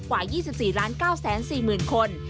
กว่า๒๔๙๔๐๐๐คน